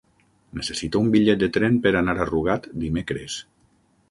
Necessito un bitllet de tren per anar a Rugat dimecres.